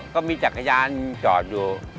ก็มีจักรยานจอดอยู่